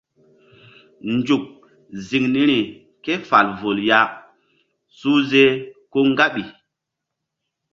Nzuk ziŋ niri ke fal vul ya suhze ko ŋgaɓi.